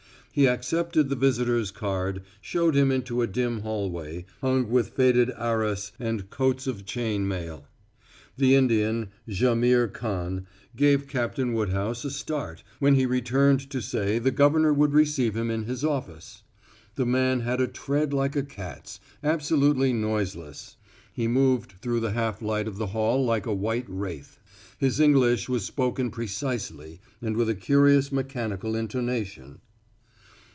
He accepted the visitor's card, showed him into a dim hallway hung with faded arras and coats of chain mail. The Indian, Jaimihr Khan, gave Captain Woodhouse a start when he returned to say the governor would receive him in his office. The man had a tread like a cat's, absolutely noiseless; he moved through the half light of the hall like a white wraith. His English was spoken precisely and with a curious mechanical intonation.